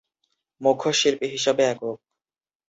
মূখ্য শিল্পী হিসাবে একক